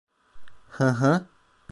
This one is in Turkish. Hı hı.